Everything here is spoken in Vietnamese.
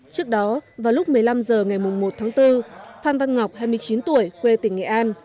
trước đó vào lúc một mươi năm h ngày một tháng bốn phan văn ngọc hai mươi chín tuổi quê tỉnh nghệ an